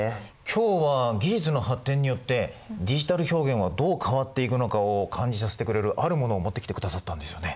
今日は技術の発展によってディジタル表現はどう変わっていくのかを感じさせてくれるあるものを持ってきてくださったんですよね。